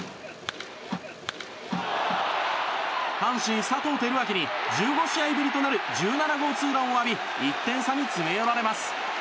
阪神、佐藤輝明に１５試合ぶりとなる１７号ツーランを浴び１点差に詰め寄られます。